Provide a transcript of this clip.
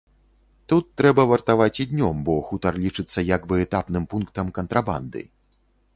Тут трэба вартаваць і днём, бо хутар лічыцца як бы этапным пунктам кантрабанды.